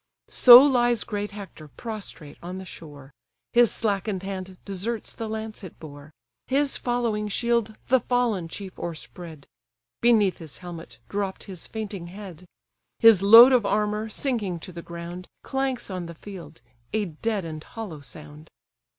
So lies great Hector prostrate on the shore; His slacken'd hand deserts the lance it bore; His following shield the fallen chief o'erspread; Beneath his helmet dropp'd his fainting head; His load of armour, sinking to the ground, Clanks on the field, a dead and hollow sound.